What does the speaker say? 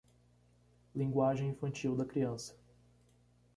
Linguagem infantil da criança